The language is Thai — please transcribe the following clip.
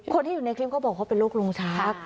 คนที่อยู่ในคลิปเขาบอกเขาเป็นโรคลมชัก